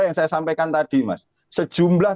yang saya sampaikan tadi mas sejumlah